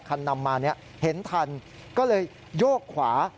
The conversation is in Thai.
นำมาเห็นทันก็เลยโยกขวา